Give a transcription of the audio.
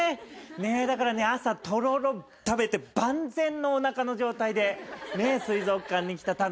だからね朝とろろ食べて万全のおなかの状態で水族館に来た。